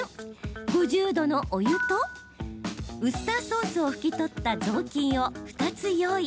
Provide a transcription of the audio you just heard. ５０度のお湯とウスターソースを拭き取った雑巾を２つ用意。